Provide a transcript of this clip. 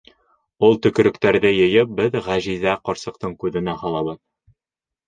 Ул төкөрөктәрҙе йыйып беҙ Ғәжизә ҡарсыҡтың күҙенә һалабыҙ.